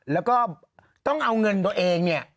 แล้วก็ต้องเอาเงินตัวเองเนี่ย